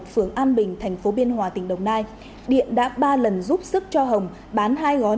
phường an bình thành phố biên hòa tỉnh đồng nai điện đã ba lần giúp sức cho hồng bán hai gói